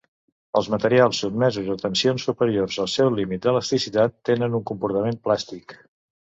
Els materials sotmesos a tensions superiors al seu límit d'elasticitat tenen un comportament plàstic.